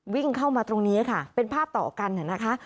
วิ่งเข้ามาตรงนี้ค่ะเป็นภาพต่อกันนะคะ